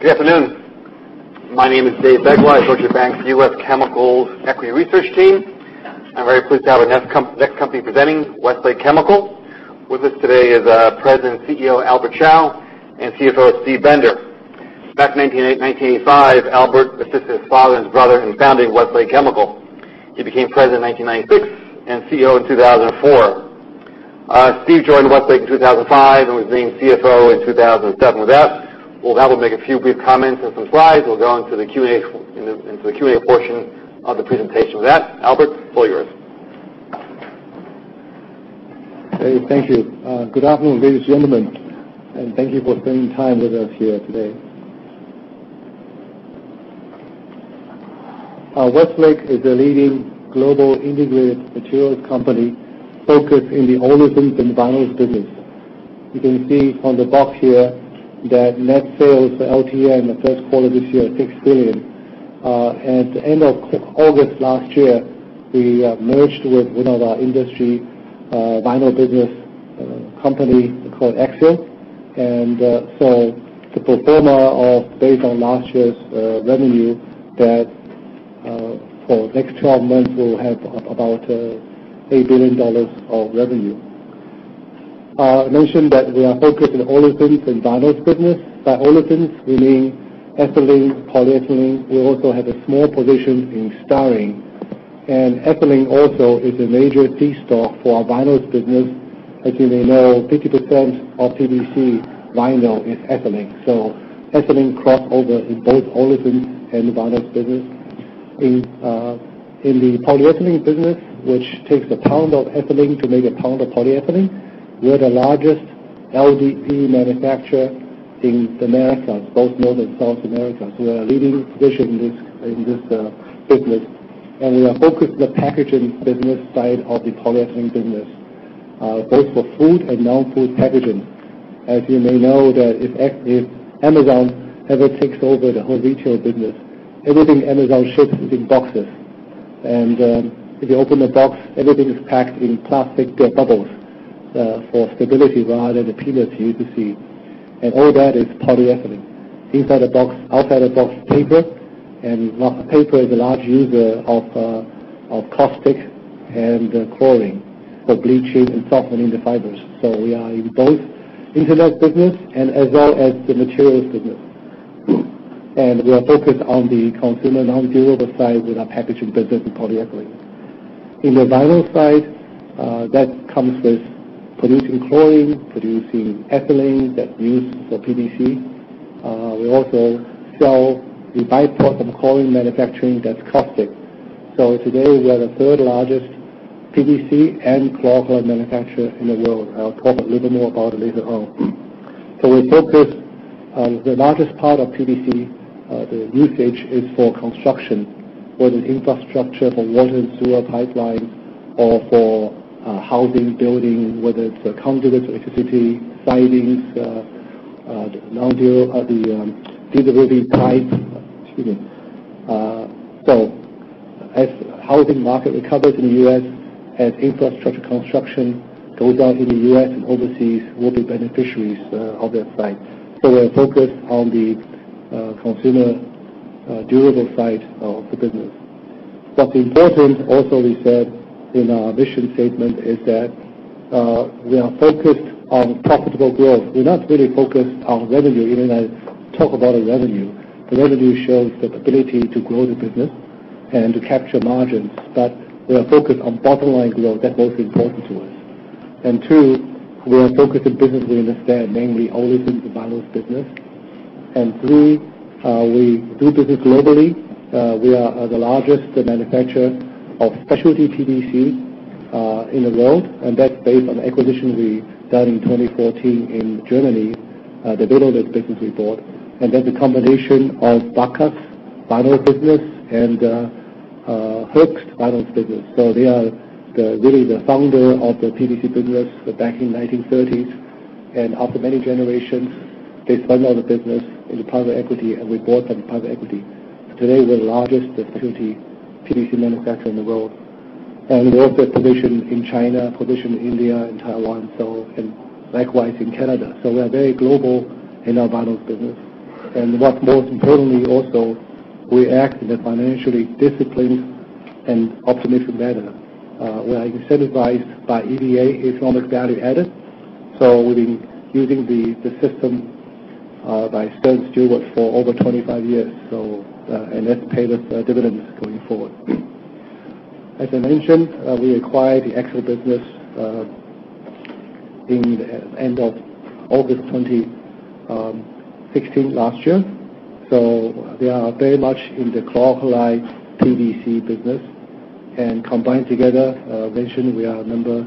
Good afternoon. My name is Dave Begleiter. I cover Deutsche Bank's U.S. Chemicals Equity Research team. I am very pleased to have our next company presenting, Westlake Chemical. With us today is President CEO, Albert Chao, and CFO, Steve Bender. Back in 1985, Albert assisted his father and his brother in founding Westlake Chemical. He became President in 1996, and CEO in 2004. Steve joined Westlake in 2005 and was named CFO in 2007. With that, well Albert will make a few brief comments and some slides. We will go into the Q&A portion of the presentation. With that, Albert, it is all yours. Okay. Thank you. Good afternoon, ladies and gentlemen, and thank you for spending time with us here today. Westlake is a leading global integrated materials company focused in the olefins and vinyls business. You can see on the box here that net sales for LTM, the first quarter of this year, is $6 billion. At the end of August last year, we merged with one of our industry vinyl business company called Axiall. The pro forma of based on last year's revenue that for next 12 months will have about $8 billion of revenue. I mentioned that we are focused in olefins and vinyls business. By olefins, we mean ethylene, polyethylene. We also have a small position in styrene. Ethylene also is a major feedstock for our vinyls business. As you may know, 50% of PVC vinyl is ethylene. Ethylene cross over in both olefins and vinyls business. In the polyethylene business, which takes a pound of ethylene to make a pound of polyethylene, we are the largest LDPE manufacturer in the Americas, both North and South Americas. We are a leading position in this business, and we are focused the packaging business side of the polyethylene business. Both for food and non-food packaging. As you may know that if Amazon ever takes over the whole retail business, everything Amazon ships is in boxes. If you open the box, everything is packed in plastic bubbles for stability rather than the peanuts you see. All that is polyethylene. Inside a box, outside a box of paper is a large user of caustic and chlorine for bleaching and softening the fibers. We are in both internet business and as well as the materials business. We are focused on the consumer non-durable side with our packaging business in polyethylene. In the vinyl side, that comes with producing chlorine, producing ethylene that is used for PVC. We also sell the byproduct of chlorine manufacturing that is caustic. Today we are the third-largest PVC and chlor-alkali manufacturer in the world. I will talk a little more about it later on. We focus on the largest part of PVC. The usage is for construction, whether infrastructure for water and sewer pipelines or for housing, building, whether it is conduits, electricity, sidings, non-deal or the delivery pipes. Excuse me. As housing market recovers in the U.S., as infrastructure construction goes on in the U.S. and overseas, we will be beneficiaries of that side. We are focused on the consumer durable side of the business. Important also we said in our mission statement is that we are focused on profitable growth. We're not really focused on revenue, even I talk about our revenue. The revenue shows the ability to grow the business and to capture margins, but we are focused on bottom line growth. That's most important to us. Two, we are focused in business we understand, namely olefins and vinyls business. Three, we do business globally. We are the largest manufacturer of specialty PVC in the world, and that's based on acquisition we done in 2014 in Germany. The vinyls business we bought, then the combination of Wacker's vinyl business and Hoechst vinyl business. They are really the founder of the PVC business back in the 1930s. After many generations, they spun out the business into private equity, and we bought them private equity. Today, we're the largest specialty PVC manufacturer in the world. We also have position in China, position in India and Taiwan, likewise in Canada. We are very global in our vinyls business. What most importantly also, we act in a financially disciplined and optimistic manner. We are incentivized by EVA, economic value added. We've been using the system by Stern Stewart for over 25 years. That pay us dividends going forward. As I mentioned, we acquired the Axiall business in the end of August 2016 last year. We are very much in the chlor-alkali PVC business. Combined together, I mentioned we are number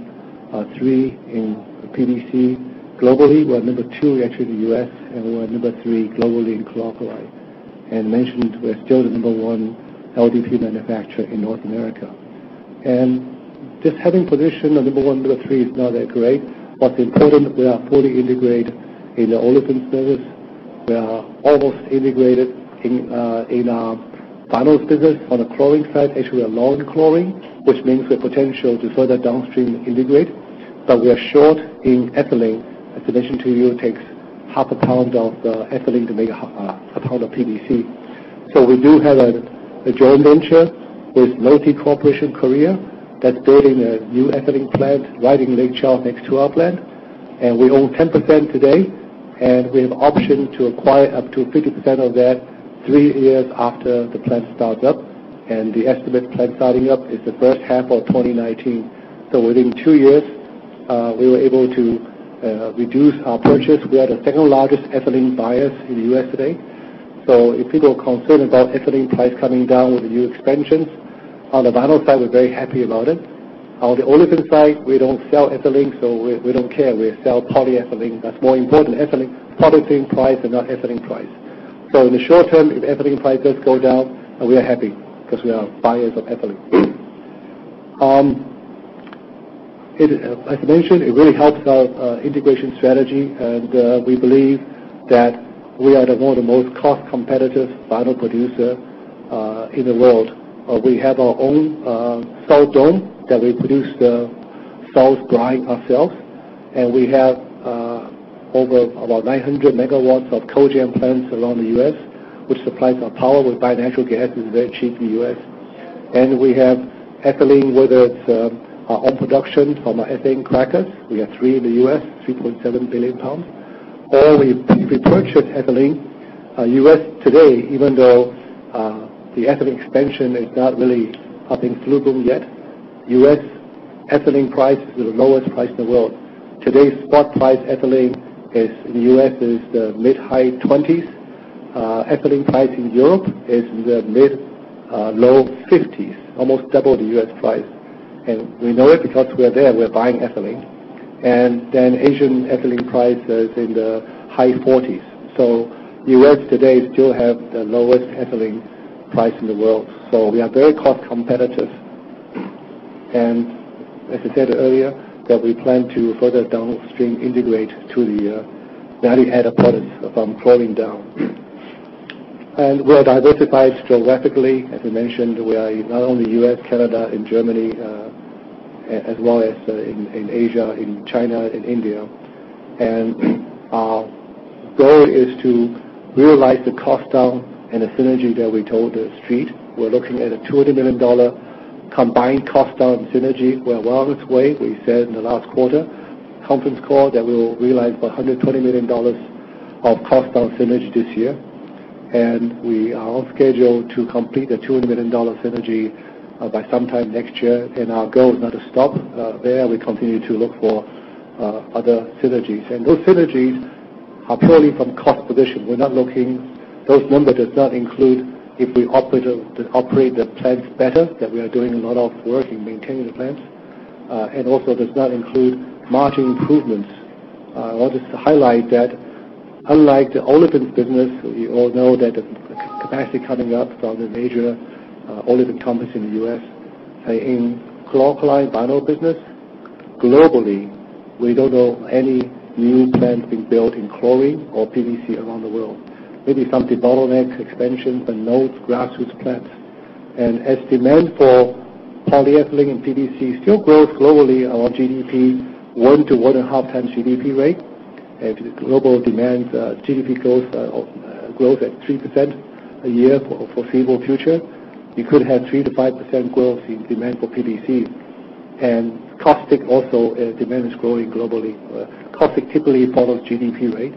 three in PVC globally. We are number two, actually, in the U.S., and we are number three globally in chlor-alkali. Mentioned, we are still the number one LDPE manufacturer in North America. Just having position of number one, number three is not that great. What's important, we are fully integrated in the olefins business. We are almost integrated in our vinyls business. On the chlorine side, actually, we are low in chlorine, which means we have potential to further downstream integrate. We are short in ethylene. As I mentioned to you, it takes half a pound of ethylene to make a pound of PVC. We do have a joint venture with Lotte Chemical Corporation that's building a new ethylene plant right in Lake Charles next to our plant, and we own 10% today, and we have the option to acquire up to 50% of that three years after the plant starts up. The estimate of the plant starting up is the first half of 2019. Within two years, we were able to reduce our purchase. We are the second-largest ethylene buyer in the U.S. today. If people are concerned about ethylene price coming down with the new expansions, on the vinyl side, we're very happy about it. On the olefin side, we don't sell ethylene, so we don't care. We sell polyethylene. That's more important, polyethylene price and not ethylene price. In the short term, if ethylene prices go down, we are happy because we are buyers of ethylene. As mentioned, it really helps our integration strategy, and we believe that we are one of the most cost-competitive vinyl producers in the world. We have our own salt dome that we produce the salts brine ourselves, and we have over about 900 megawatts of cogen plants around the U.S., which supplies our power. We buy natural gas. It's very cheap in the U.S. We have ethylene, whether it's our own production from our ethane crackers. We have three in the U.S., 3.7 billion pounds. We purchase ethylene. U.S. today, even though the ethylene expansion is not really up and booming yet, U.S. ethylene price is the lowest price in the world. Today's spot price ethylene in the U.S. is the mid-high 20s. Ethylene price in Europe is in the mid-low 50s, almost double the U.S. price. We know it because we are there. We are buying ethylene. Asian ethylene price is in the high 40s. The U.S. today still has the lowest ethylene price in the world. We are very cost competitive. As I said earlier, that we plan to further downstream integrate to the value-added products from chlorine down. We are diversified geographically. As I mentioned, we are not only U.S., Canada, and Germany, as well as in Asia, in China, in India. Our goal is to realize the cost down and the synergy that we told the Street. We're looking at a $200 million combined cost down synergy. We're well on its way. We said in the last quarter conference call that we will realize $120 million of cost down synergy this year. We are on schedule to complete the $200 million synergy by sometime next year. Our goal is not to stop there. We continue to look for other synergies. Those synergies are purely from cost position. Those numbers does not include if we operate the plants better, that we are doing a lot of work in maintaining the plants. Also does not include margin improvements. I want just to highlight that unlike the olefins business, we all know that the capacity coming up from Asia, olefin comes in the U.S. In chlor-alkali vinyl business, globally, we don't know any new plant being built in chlorine or PVC around the world. Maybe some debottlenecks, expansions, and no grassroots plants. As demand for polyethylene and PVC still grows globally, our GDP one to one and a half times GDP rate. If global demand GDP growth at 3% a year for foreseeable future, you could have 3%-5% growth in demand for PVC. Caustic also, demand is growing globally. Caustic typically follows GDP rate.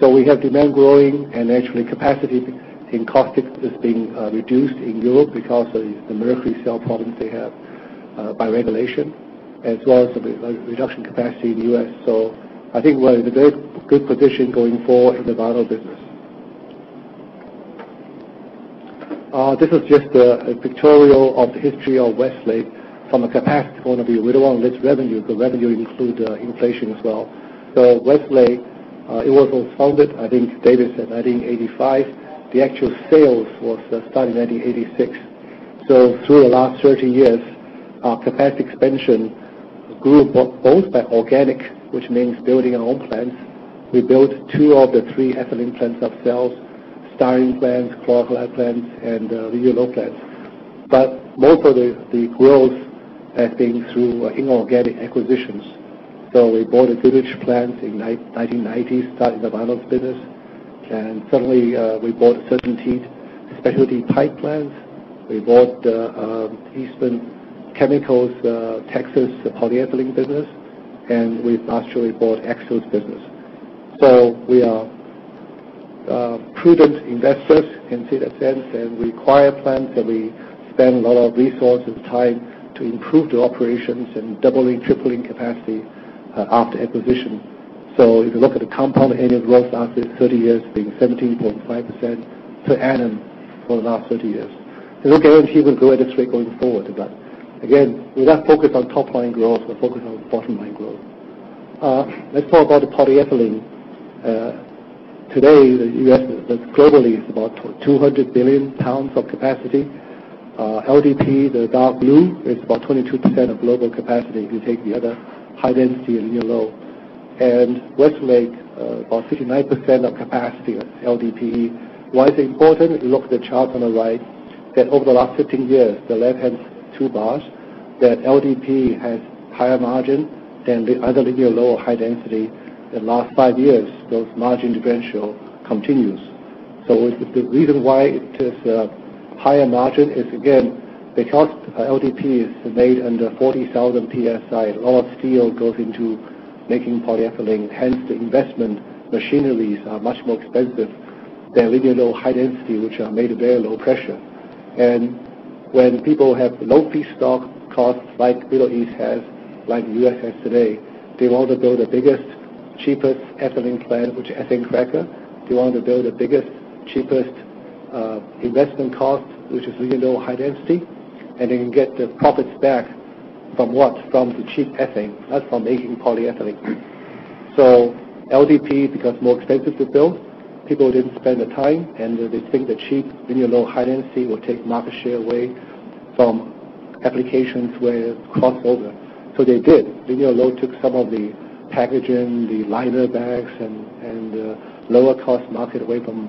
We have demand growing and naturally capacity in caustic is being reduced in Europe because of the mercury cell problems they have by regulation, as well as the reduction capacity in the U.S. I think we're in a very good position going forward in the vinyl business. This is just a pictorial of the history of Westlake from a capacity point of view. We don't want to list revenue because revenue includes inflation as well. Westlake, it was founded, I think David said 1985. The actual sales was started in 1986. Through the last 30 years, our capacity expansion grew both by organic, which means building our own plants. We built two of the three ethylene plants ourselves, styrene plants, chlor-alkali plants, and linear low plants. Most of the growth has been through inorganic acquisitions. We bought a [inaudible] in 1990, started the vinyl business. Suddenly, we bought CertainTeed specialty pipe plants. We bought the Eastman Chemical Texas polyethylene business. We've actually bought Axiall business. We are prudent investors in that sense, we acquire plants that we spend a lot of resources, time to improve the operations and doubling, tripling capacity after acquisition. If you look at the compound annual growth rate after 30 years being 17.5% per annum for the last 30 years. It doesn't guarantee we will grow at this rate going forward. Again, we're not focused on top-line growth. We're focused on bottom-line growth. Let's talk about the polyethylene. Today, globally, it's about 200 billion pounds of capacity. LDPE, the dark blue, is about 22% of global capacity if you take the other high-density and linear low. Westlake, about 69% of capacity is LDPE. Why is it important? Look at the chart on the right, that over the last 15 years, the left has two bars, that LDPE has higher margin than the other linear low high density. The last five years, those margin differential continues. The reason why it has a higher margin is, again, because LDPE is made under 40,000 PSI, a lot of steel goes into making polyethylene. Hence, the investment machineries are much more expensive than linear low high density, which are made at very low pressure. When people have low feedstock costs like Middle East has, like the U.S. has today, they want to build the biggest, cheapest ethylene plant, which is ethane cracker. They want to build the biggest, cheapest investment cost, which is linear low high density. They can get the profits back from what? From the cheap ethane. That's from making polyethylene. LDPE becomes more expensive to build. People didn't spend the time, they think the cheap linear low high density will take market share away from applications where it cross over. They did. Linear low took some of the packaging, the liner bags, and the lower cost market away from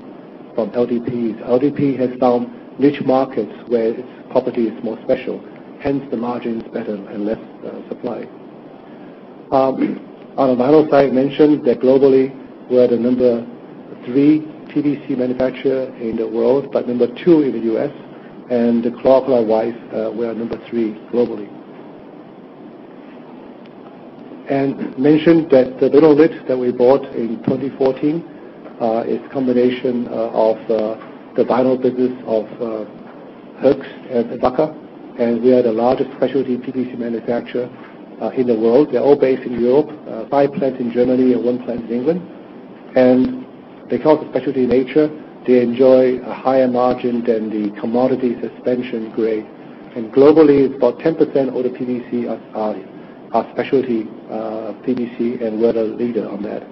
LDPEs. LDPE has found niche markets where its property is more special, hence the margin is better and less supply. On the vinyl side, mentioned that globally, we are the number 3 PVC manufacturer in the world, but number 2 in the U.S. The chlor-alkali wise, we are number 3 globally. Mentioned that the Vinnolit that we bought in 2014 is a combination of the vinyl business of Hoechst and Wacker, and we are the largest specialty PVC manufacturer in the world. They're all based in Europe, five plants in Germany and one plant in England. Because of specialty nature, they enjoy a higher margin than the commodity suspension grade. Globally, it's about 10% of the PVC are specialty PVC, and we're the leader on that.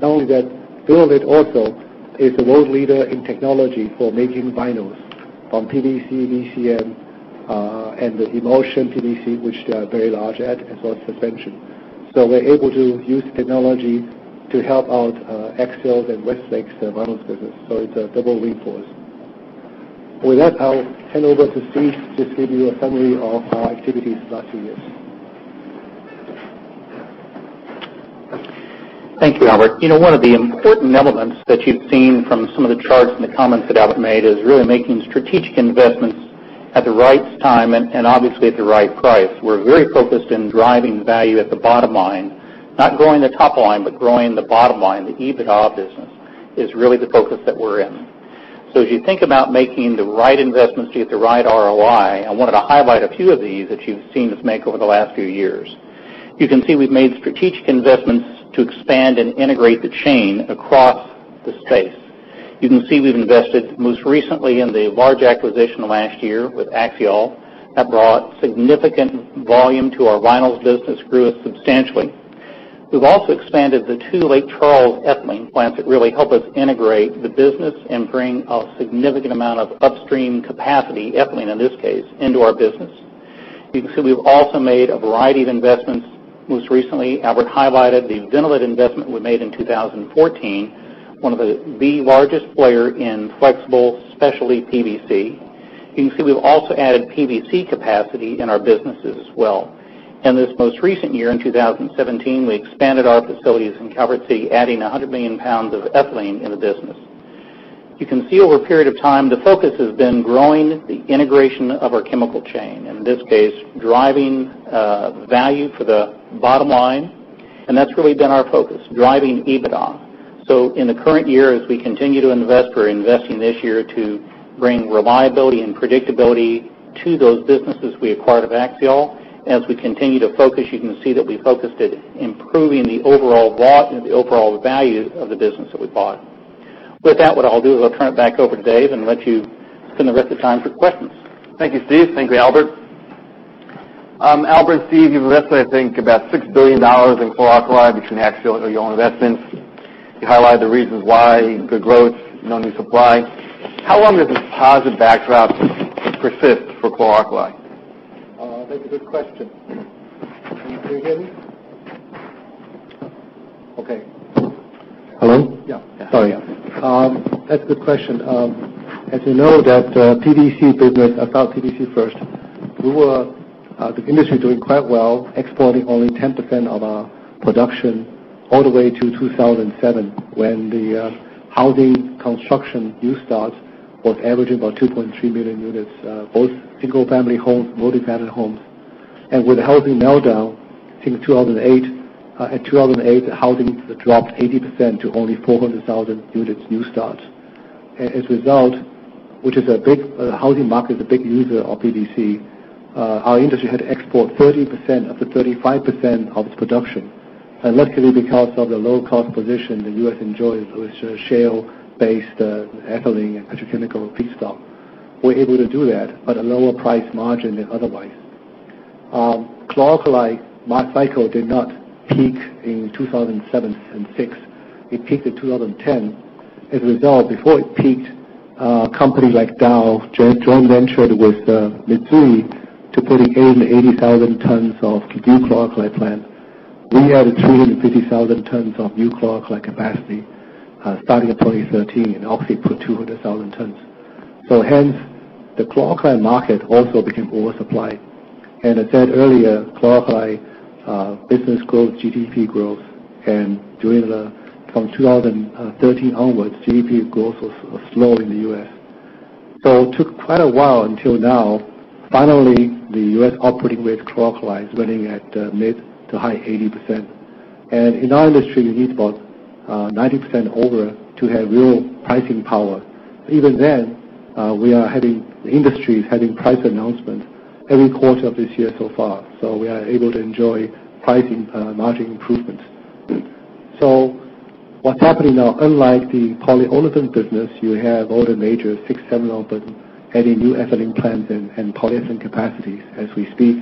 Not only that, Vinnolit also is the world leader in technology for making vinyls from PVC, VCM, and the emulsion PVC, which they are very large at, as well as suspension. We're able to use technology to help out Axiall's and Westlake's vinyl business. It's a double win for us. With that, I'll hand over to Steve to give you a summary of our activities the last few years. Thank you, Albert. One of the important elements that you've seen from some of the charts and the comments that Albert made is really making strategic investments at the right time and obviously at the right price. We're very focused in driving value at the bottom line, not growing the top line, but growing the bottom line. The EBITDA business is really the focus that we're in. As you think about making the right investments to get the right ROI, I wanted to highlight a few of these that you've seen us make over the last few years. You can see we've made strategic investments to expand and integrate the chain across the space. You can see we've invested most recently in the large acquisition last year with Axiall. That brought significant volume to our vinyl business, grew it substantially. We've also expanded the two Lake Charles ethylene plants that really help us integrate the business and bring a significant amount of upstream capacity, ethylene in this case, into our business. You can see we've also made a variety of investments. Most recently, Albert highlighted the Vinnolit investment we made in 2014, one of the largest player in flexible specialty PVC. You can see we've also added PVC capacity in our businesses as well. This most recent year, in 2017, we expanded our facilities in Calvert City, adding 100 million pounds of ethylene in the business. You can see over a period of time, the focus has been growing the integration of our chemical chain, in this case, driving value for the bottom line, and that's really been our focus, driving EBITDA. In the current year, as we continue to invest, we're investing this year to bring reliability and predictability to those businesses we acquired of Axiall. As we continue to focus, you can see that we focused at improving the overall value of the business that we bought. With that, what I'll do is I'll turn it back over to Dave and let you spend the rest of the time for questions. Thank you, Steve. Thank you, Albert. Albert, Steve, you've invested, I think, about $6 billion in chlor-alkali between Axiall and your own investments. You highlighted the reasons why, good growth, no new supply. How long does this positive backdrop persist for chlor-alkali? That's a good question. Can you hear me? Okay. Hello? Yeah. Sorry. Yeah. That's a good question. As you know that PVC business, I'll talk PVC first. The industry doing quite well, exporting only 10% of our production all the way to 2007, when the housing construction new start was averaging about 2.3 million units, both single family homes, multi-family homes. With the housing meltdown in 2008, housing dropped 80% to only 400,000 units new start. As a result, which is a big housing market, a big user of PVC, our industry had to export 30% of the 35% of its production. Luckily, because of the low cost position the U.S. enjoys with shale based ethylene and petrochemical feedstock, we're able to do that at a lower price margin than otherwise. Chlor-alkali, my cycle did not peak in 2007 and 2006. It peaked in 2010. As a result, before it peaked, a company like Dow joint ventured with Mitsui to put in 80,000 tons of new chlor-alkali plant. We added 350,000 tons of new chlor-alkali capacity starting in 2013, and obviously put 200,000 tons. Hence, the chlor-alkali market also became oversupplied. I said earlier, chlor-alkali business grows with GDP growth. From 2013 onwards, GDP growth was slow in the U.S. It took quite a while until now. Finally, the U.S. operating with chlor-alkali is running at mid to high 80%. In our industry, you need about 90% over to have real pricing power. Even then, the industry is having price announcement every quarter of this year so far. We are able to enjoy pricing margin improvements. What's happening now, unlike the polyolefins business, you have all the major, six, seven of them, adding new ethylene plants and polyethylene capacities as we speak.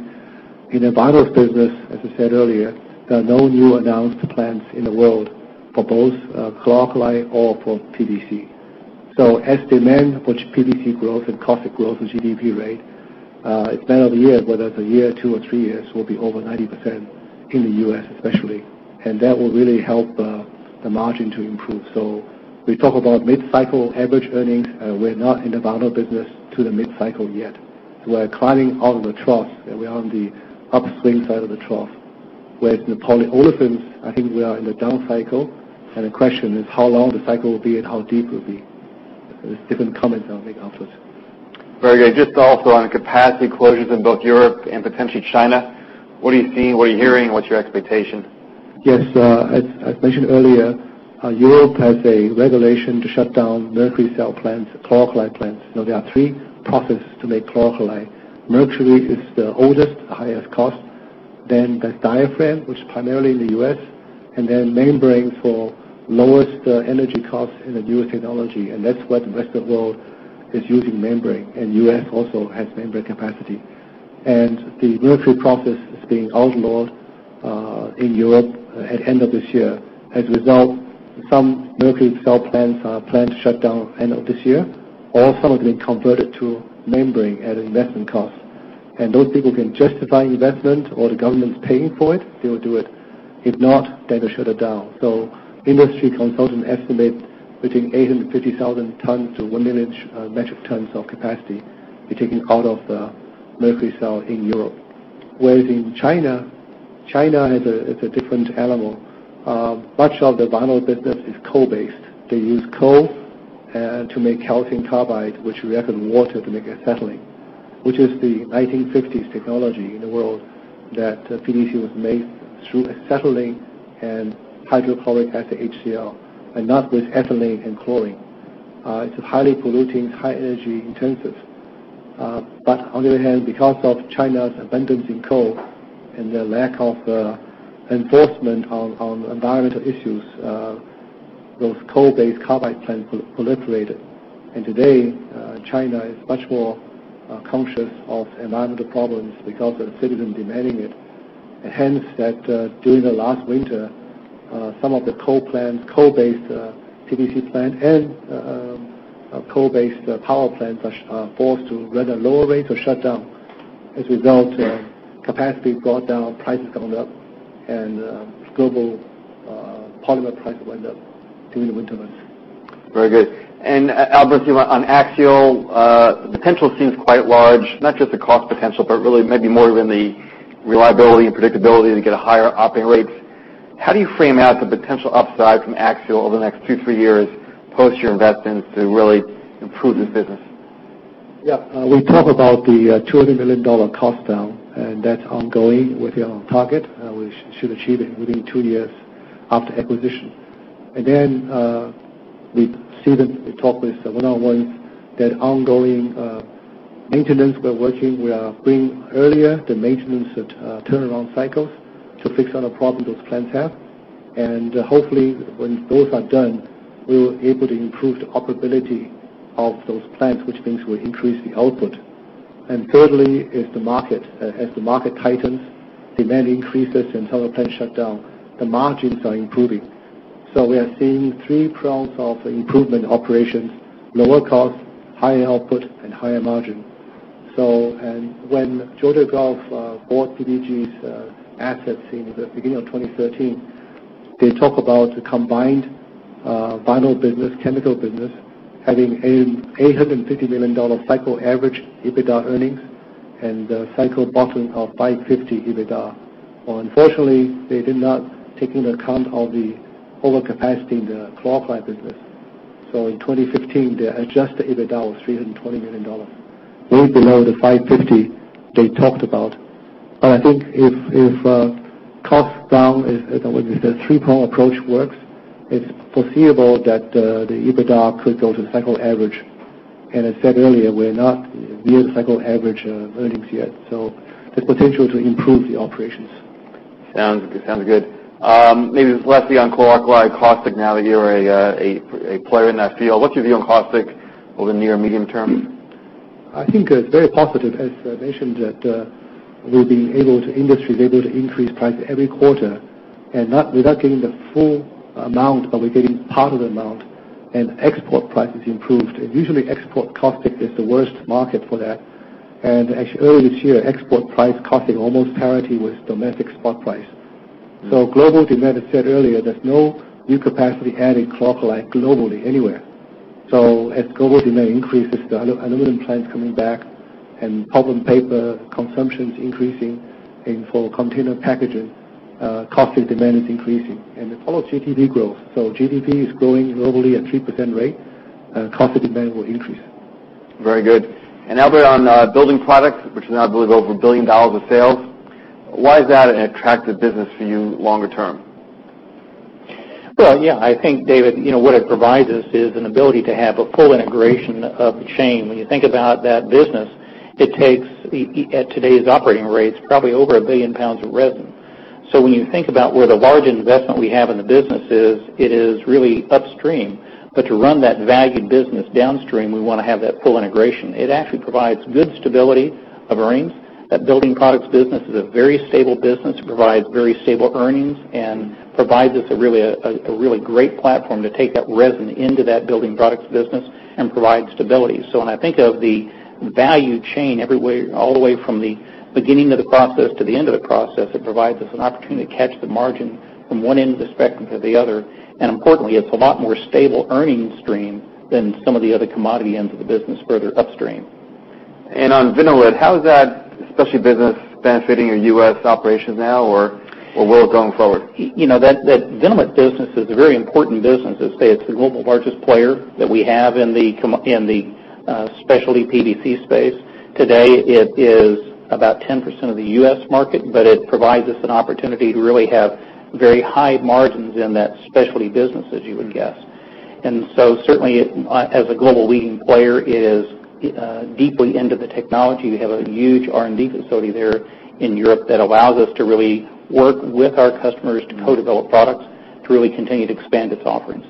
In the vinyls business, as I said earlier, there are no new announced plants in the world for both chlor-alkali or for PVC. As demand for PVC grows and caustic grows with GDP rate, it's a matter of years, whether it's a year, two or three years, we'll be over 90% in the U.S. especially. That will really help the margin to improve. We talk about mid-cycle average earnings. We're not in the vinyl business to the mid-cycle yet. We're climbing out of the trough, and we are on the upstream side of the trough. Whereas in the polyolefins, I think we are in the down cycle, and the question is how long the cycle will be and how deep it will be. There's different comments I'll make afterwards. Very good. Just also on capacity closures in both Europe and potentially China, what are you seeing? What are you hearing? What's your expectation? Yes. As mentioned earlier, Europe has a regulation to shut down mercury cell plants, chlor-alkali plants. There are three processes to make chlor-alkali. Mercury is the oldest, highest cost. There's diaphragm, which is primarily in the U.S., and then membrane for lowest energy cost in the newer technology, and that's what the rest of world is using, membrane, and U.S. also has membrane capacity. The mercury process is being outlawed in Europe at end of this year. As a result, some mercury cell plants are planned to shut down end of this year, or some of them being converted to membrane at an investment cost. Those people can justify investment, or the government's paying for it, they will do it. If not, then they shut it down. Industry consultant estimates between 850,000 tons to 1 million metric tons of capacity be taken out of the mercury cell in Europe. In China is a different animal. Much of the vinyl business is coal-based. They use coal to make calcium carbide, which react with water to make acetylene, which is the 1950s technology in the world that PVC was made through acetylene and hydrochloric acid, HCl, and not with ethylene and chlorine. It's highly polluting, high energy intensive. On the other hand, because of China's abundance in coal and their lack of enforcement on environmental issues, those coal-based carbide plants proliferated. Today, China is much more conscious of environmental problems because of citizens demanding it. Hence, during the last winter, some of the coal-based PVC plant and coal-based power plants are forced to run at lower rates or shut down. As a result, capacity got down, prices gone up, global polymer price went up during the winter months. Very good. Albert, on Axiall, the potential seems quite large, not just the cost potential, but really maybe more in the reliability and predictability to get higher operating rates. How do you frame out the potential upside from Axiall over the next two, three years post your investments to really improve this business? We talk about the $200 million cost down, that's ongoing. We're on target. We should achieve it within two years after acquisition. We talk with Steve Bender once that ongoing maintenance we're working, we are bringing earlier the maintenance turnaround cycles to fix all the problems those plants have. Hopefully, when those are done, we'll be able to improve the operability of those plants, which means we'll increase the output. Thirdly, as the market tightens, demand increases, some of the plants shut down, the margins are improving. We are seeing three prongs of improvement operations, lower cost, higher output, higher margin. When Georgia Gulf bought PPG's assets in the beginning of 2013, they talk about the combined vinyl business, chemical business, having a $850 million cycle average EBITDA earnings and a cycle bottom of $550 EBITDA. Unfortunately, they did not take into account all the overcapacity in the chlor-alkali business. In 2015, the adjusted EBITDA was $320 million, way below the $550 million they talked about. I think if cost down, as I would say, the three-prong approach works, it's foreseeable that the EBITDA could go to the cycle average. I said earlier, we're not near the cycle average earnings yet. There's potential to improve the operations. Sounds good. Maybe lastly on chlor-alkali, caustic now that you're a player in that field. What's your view on caustic over the near medium term? I think it's very positive, as mentioned, that the industry is able to increase price every quarter, not without getting the full amount, we're getting part of the amount, export price has improved. Usually export caustic is the worst market for that. Actually early this year, export price caustic almost parity with domestic spot price. Global demand has said earlier, there's no new capacity added chlor-alkali globally anywhere. As global demand increases, the aluminum plant coming back, pulp and paper consumption is increasing. For container packaging, caustic demand is increasing. It follows GDP growth. GDP is growing globally at 3% rate, caustic demand will increase. Very good. Albert, on building products, which is now, I believe, over $1 billion of sales, why is that an attractive business for you longer term? I think, David, what it provides us is an ability to have a full integration of the chain. When you think about that business, it takes, at today's operating rates, probably over 1 billion pounds of resin. When you think about where the large investment we have in the business is, it is really upstream. To run that valued business downstream, we want to have that full integration. It actually provides good stability of earnings. That building products business is a very stable business. It provides very stable earnings and provides us a really great platform to take that resin into that building products business and provide stability. When I think of the value chain everywhere, all the way from the beginning of the process to the end of the process, it provides us an opportunity to catch the margin from one end of the spectrum to the other. Importantly, it's a lot more stable earnings stream than some of the other commodity ends of the business further upstream. On Vinnolit, how is that specialty business benefiting your U.S. operation now or where going forward? That Vinnolit business is a very important business. As stated, it's the global largest player that we have in the specialty PVC space. Today, it is about 10% of the U.S. market, but it provides us an opportunity to really have very high margins in that specialty business, as you would guess. Certainly as a global leading player, it is deeply into the technology. We have a huge R&D facility there in Europe that allows us to really work with our customers to co-develop products, to really continue to expand its offerings.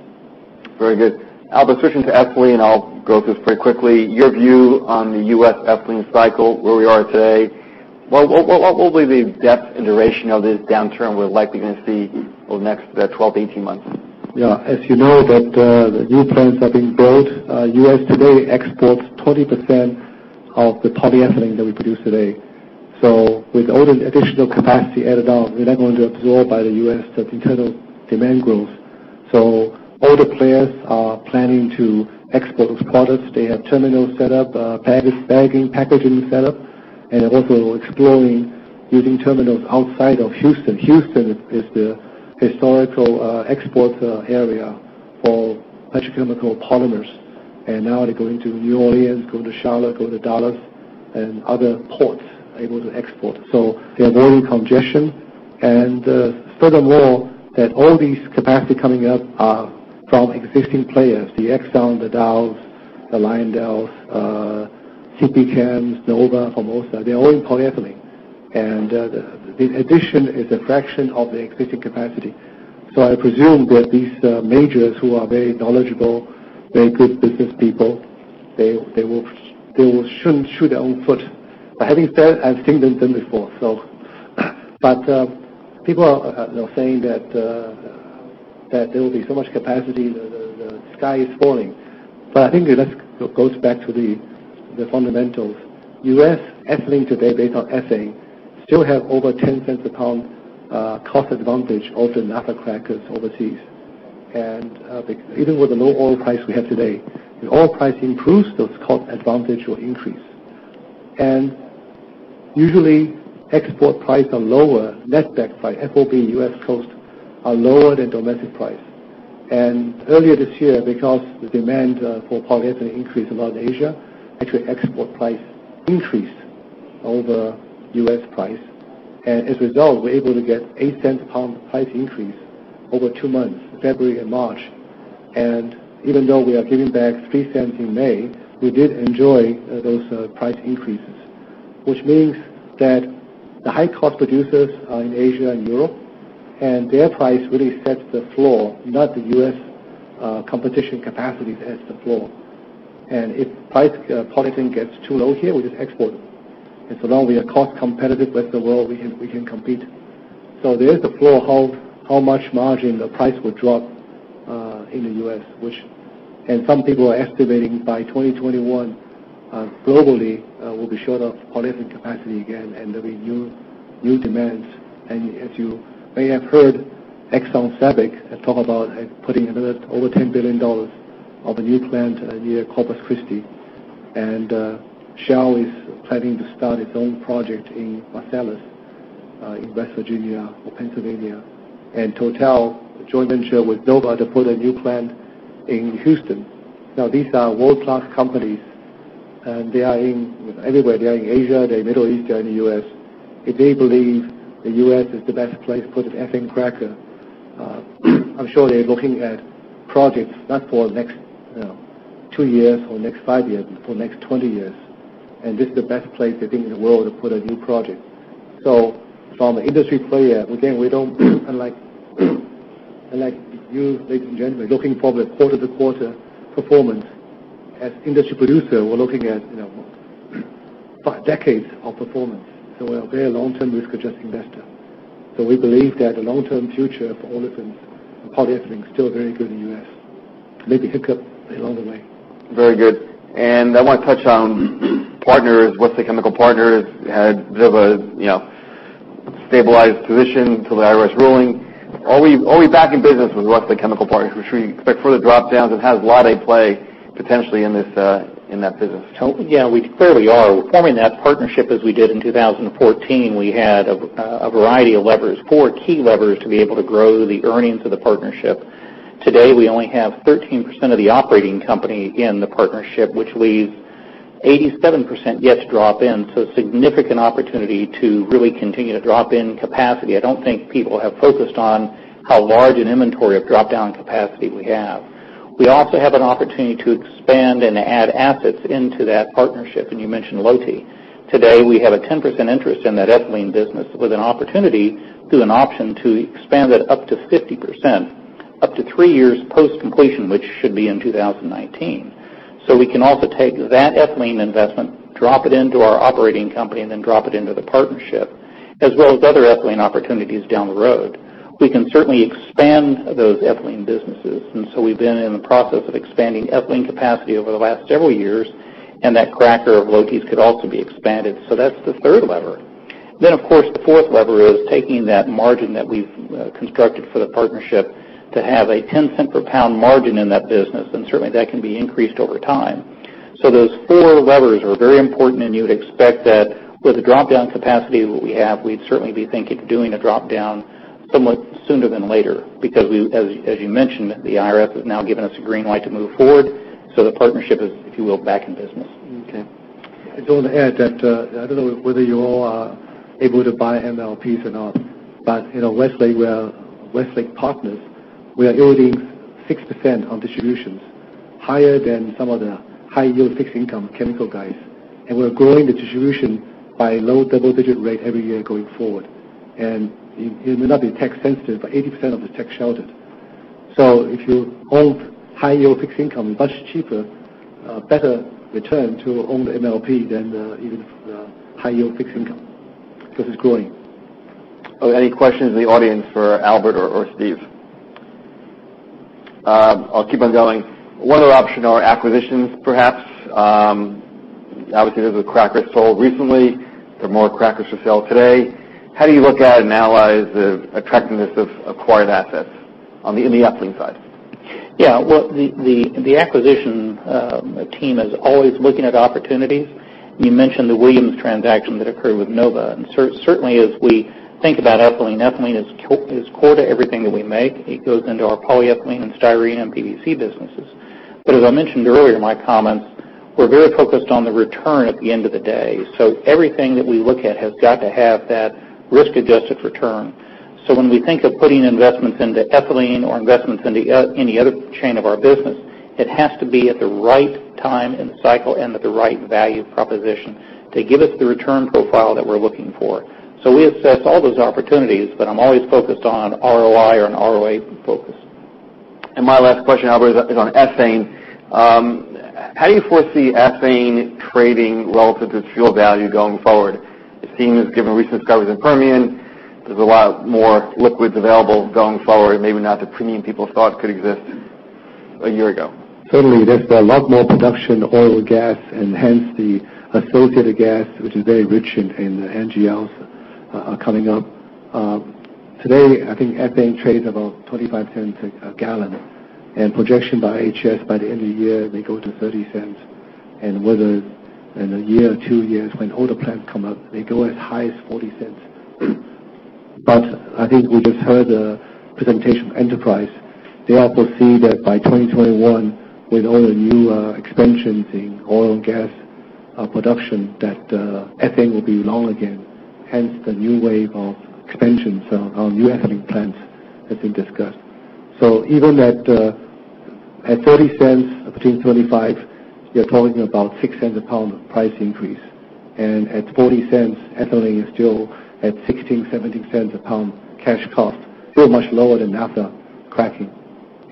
Very good. Albert, switching to ethylene, I'll go through this pretty quickly. Your view on the U.S. ethylene cycle, where we are today. What will be the depth and duration of this downturn we're likely going to see over the next 12 to 18 months? Yeah. As you know that the new plants are being built. U.S. today exports 20% of the polyethylene that we produce today. With all the additional capacity added on, we're not going to absorb by the U.S. the internal demand growth. All the players are planning to export those products. They have terminals set up, packaging set up, also exploring using terminals outside of Houston. Houston is the historical export area for petrochemical polymers. Now they're going to New Orleans, going to Charleston, going to Dallas, and other ports able to export. They avoid congestion. Furthermore, all these capacity coming up are from existing players, the Exxon, the Dow, the Lyondell, CP Chem, Nova, Formosa. They're all in polyethylene. The addition is a fraction of the existing capacity. I presume that these majors who are very knowledgeable, very good business people, they shouldn't shoot their own foot. Having said, I've seen them done before. People are saying that there will be so much capacity, the sky is falling. I think that goes back to the fundamentals. U.S. ethylene today based on ethane still have over $0.10 a pound cost advantage over naphtha crackers overseas. Even with the low oil price we have today, if the oil price improves, those cost advantage will increase. Usually export price are lower, netback price, FOB U.S. Coast, are lower than domestic price. Earlier this year, because the demand for polyethylene increased around Asia, actually export price increased over U.S. price. As a result, we're able to get $0.08 a pound price increase over two months, February and March. Even though we are giving back $0.03 in May, we did enjoy those price increases, which means that the high cost producers are in Asia and Europe, their price really sets the floor, not the U.S. competition capacity sets the floor. If price polyethylene gets too low here, we just export it. So long we are cost competitive with the world, we can compete. There is a floor how much margin the price will drop in the U.S. Some people are estimating by 2021, globally we'll be short of polyethylene capacity again, there'll be new demands. As you may have heard, Exxon-Sabic has talked about putting another over $10 billion of a new plant near Corpus Christi. Shell is planning to start its own project in Marcellus in West Virginia or Pennsylvania. Total, a joint venture with NOVA Chemicals Corporation, to put a new plant in Houston. These are world-class companies. They are in everywhere. They are in Asia, they're in Middle East, they're in the U.S. If they believe the U.S. is the best place to put an ethane cracker, I'm sure they're looking at projects not for next two years or next five years, but for next 20 years. This is the best place they think in the world to put a new project. From an industry player, again, we don't Unlike you, ladies and gentlemen, looking probably at quarter-to-quarter performance. As industry producer, we're looking at five decades of performance. We're a very long-term risk adjust investor. We believe that the long-term future for olefins and polyethylene is still very good in U.S. Maybe hiccup along the way. Very good. I want to touch on Westlake Chemical Partners, Westlake Chemical Partners had a bit of a stabilized position to the IRS ruling. Are we back in business with Westlake Chemical Partners? Should we expect further drop-downs, and how do they play potentially in that business? We clearly are. We're forming that partnership as we did in 2014. We had a variety of levers, four key levers, to be able to grow the earnings of the partnership. Today, we only have 13% of the operating company in the partnership, which leaves 87% yet to drop in. A significant opportunity to really continue to drop in capacity. I don't think people have focused on how large an inventory of drop-down capacity we have. We also have an opportunity to expand and add assets into that partnership, and you mentioned Lotte Chemical. Today, we have a 10% interest in that ethylene business with an opportunity through an option to expand that up to 50%, up to three years post-completion, which should be in 2019. We can also take that ethylene investment, drop it into our operating company, then drop it into the partnership, as well as other ethylene opportunities down the road. We can certainly expand those ethylene businesses, so we've been in the process of expanding ethylene capacity over the last several years, and that cracker of Lotte Chemical's could also be expanded. That's the third lever. Of course, the fourth lever is taking that margin that we've constructed for the partnership to have a $0.10 per pound margin in that business, certainly, that can be increased over time. Those four levers are very important, and you would expect that with the drop-down capacity that we have, we'd certainly be thinking of doing a drop-down somewhat sooner than later, because as you mentioned, the IRS has now given us a green light to move forward. the partnership is, if you will, back in business. Okay. I just want to add that, I don't know whether you all are able to buy MLPs or not, but in our Westlake Partners, we are yielding 6% on distributions, higher than some of the high yield fixed income chemical guys. We're growing the distribution by low double digit rate every year going forward. It may not be tax sensitive, but 80% of it is tax sheltered. If you hold high yield fixed income, much cheaper, better return to own the MLP than even the high yield fixed income because it's growing. Are there any questions in the audience for Albert or Steve? I'll keep on going. One other option are acquisitions, perhaps. Obviously, there's a cracker sold recently. There are more crackers for sale today. How do you look at and analyze the attractiveness of acquired assets in the ethylene side? Well, the acquisition team is always looking at opportunities. You mentioned the Williams transaction that occurred with Nova. Certainly, as we think about ethylene is core to everything that we make. It goes into our polyethylene and styrene and PVC businesses. As I mentioned earlier in my comments, we're very focused on the return at the end of the day. Everything that we look at has got to have that risk adjusted return. When we think of putting investments into ethylene or investments into any other chain of our business, it has to be at the right time in the cycle and at the right value proposition to give us the return profile that we're looking for. We assess all those opportunities, but I'm always focused on ROI or an ROA focus. My last question, Albert, is on ethane. How do you foresee ethane trading relative to fuel value going forward? It seems, given recent discoveries in Permian, there is a lot more liquids available going forward, maybe not the premium people thought could exist a year ago. Certainly, there's a lot more production, oil, gas, and hence the associated gas, which is very rich in NGLs are coming up. Today, I think ethane trades about $0.25 a gallon. Projection by IHS, by the end of the year, may go to $0.30. Whether in a year or two years, when older plants come up, they go as high as $0.40. I think we just heard the presentation from Enterprise. They all foresee that by 2021, with all the new expansions in oil and gas production, that ethane will be low again, hence the new wave of expansions on new ethane plants, as we discussed. Even at $0.30, between $0.25, you're talking about $0.06 a pound price increase. At $0.40, ethylene is still at $0.16, $0.17 a pound cash cost, still much lower than after cracking.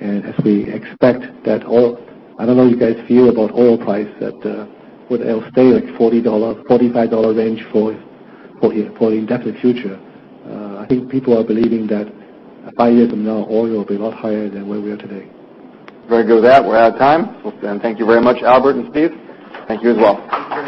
As we expect that oil price, I don't know you guys feel about oil price, that would stay like $40, $45 range for the indefinite future. I think people are believing that five years from now, oil will be a lot higher than where we are today. Very good with that. We're out of time. Thank you very much, Albert and Steve. Thank you as well.